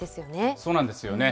そうなんですよね。